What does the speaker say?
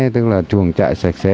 tức là chuồng trại sạch sẽ